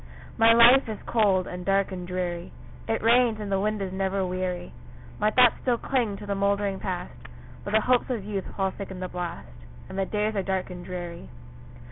My life is cold, and dark, and dreary; It rains, and the wind is never weary; My thoughts still cling to the mouldering Past, But the hopes of youth fall thick in the blast, And the days are dark and dreary.